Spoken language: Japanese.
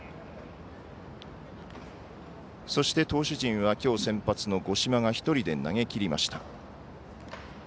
そして、投手陣はきょう先発の五島が１人で投げきりました。